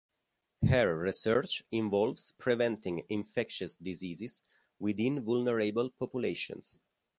Her research involves preventing infectious diseases within vulnerable populations.